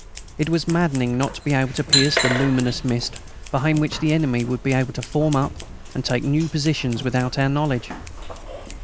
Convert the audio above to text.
It was maddening not to be able to pierce the luminous mist, behind which the enemy would be able to form up and take new positions without our knowledge.